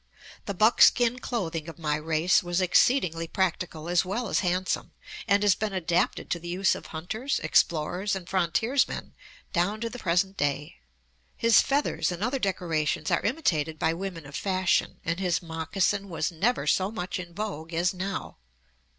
The buckskin clothing of my race was exceedingly practical as well as handsome, and has been adapted to the use of hunters, explorers, and frontiersmen, down to the present day. His feathers and other decorations are imitated by women of fashion, and his moccasin was never so much in vogue as now.